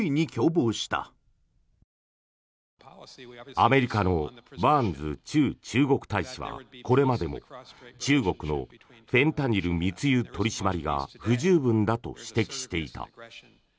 アメリカのバーンズ駐中国大使はこれまでも中国のフェンタニル密輸取り締まりが不十分だと指摘していた。